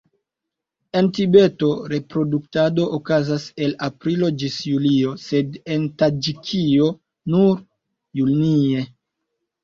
En Tibeto reproduktado okazas el aprilo ĝis julio, sed en Taĝikio nur junie.